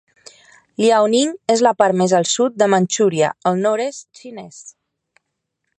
Liaoning és la part més al sud de Manchuria, el nord-est xinès.